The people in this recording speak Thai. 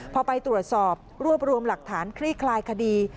พอไปตรวจสอบรวบรวมหลักฐานคลี่คลายคดี